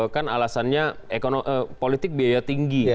kan alasannya politik biaya tinggi